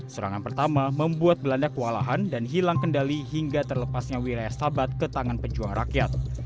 serangan pertama membuat belanda kewalahan dan hilang kendali hingga terlepasnya wilayah sahabat ke tangan pejuang rakyat